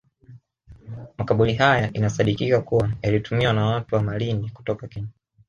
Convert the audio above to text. Makaburi haya inasadikika kuwa yalitumiwa na watu wa Malindi kutoka Kenya